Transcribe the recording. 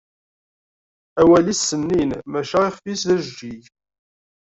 Awal-is sennin maca ixf-is d ajeǧǧig.